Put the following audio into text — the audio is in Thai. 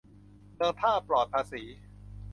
เมืองท่าปลอดภาษี